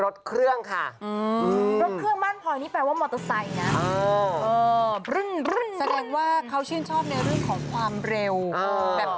ต้องเป็นแบบมอเตอร์ไซส์แบบใหญ่แบบฮึ้ม